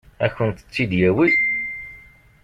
Ad kent-tt-id-yawi?